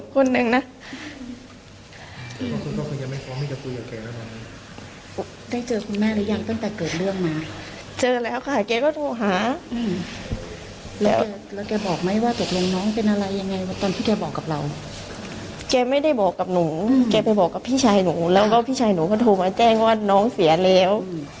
ขอถูกมาแจ้งว่าน้องเสียแล้ว